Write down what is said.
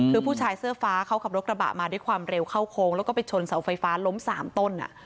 คือผู้ชายเสื้อฟ้าเขาขับรถกระบะมาด้วยความเร็วเข้าโค้งแล้วก็ไปชนเสาไฟฟ้าล้ม๓ต้น